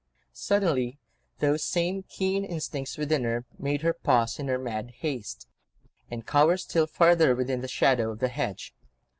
Suddenly, those same keen instincts within her made her pause in her mad haste, and cower still further within the shadow of the hedge.